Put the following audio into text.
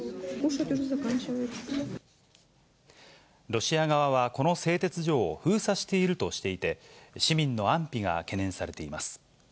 ロシア側はこの製鉄所を封鎖しているとしていて、市民の安否が懸念されています。